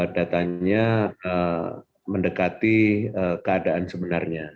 datanya mendekati keadaan sebenarnya